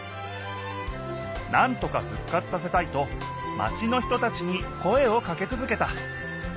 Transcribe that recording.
なんとか復活させたいとマチの人たちに声をかけ続けた。